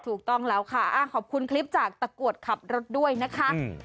ถูกต้องแล้วค่ะขอบคุณคลิปจากตะกรวดขับรถด้วยนะคะ